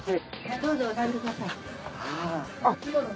どうぞお座りください。